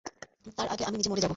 তার আগে আমি নিজে মরে যাবো।